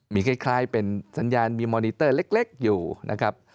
มีคล้ายเป็นสัญญาณมีมอนิเตอร์เล็กอยู่นะครับ